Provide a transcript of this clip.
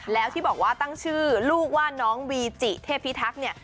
แล้วที่บอกว่าตั้งชื่อลูกว่าน้องวีจิเทพิทักษ์เนี่ย